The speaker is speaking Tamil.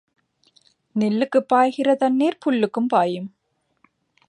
நெல்லுக்குப் பாய்கிற தண்ணீர் புல்லுக்கும் பாயும்.